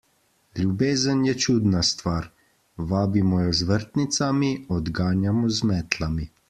Ljubezen je čudna stvar: vabimo jo z vrtnicami, odganjamo z metlami.